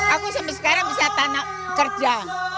aku sampai sekarang bisa tanah kerja